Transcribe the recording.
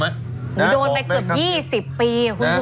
โดนไปเกือบ๒๐ปี